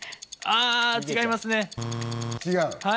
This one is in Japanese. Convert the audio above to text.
あ、違いますね。